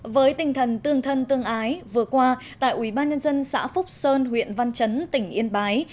với tinh thần tương thân tương ái vừa qua tại ubnd xã phúc sơn huyện văn chấn tỉnh yên bái